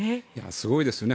すごいですよね。